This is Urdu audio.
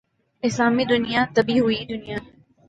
اسلامی دنیا دبی ہوئی دنیا ہے۔